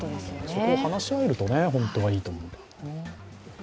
そこを話し合えると本当はいいと思うんですけどね。